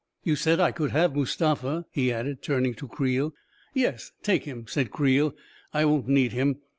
You said I could have Mustafa/' he added, turning to Creel. " Yes, take him," said Creel. " I won't need him.